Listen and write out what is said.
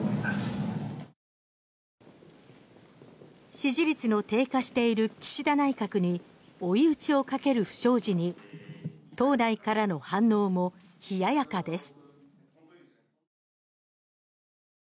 支持率の低下している岸田内閣に追い打ちをかける不祥事に党内からの反応も冷ややかです。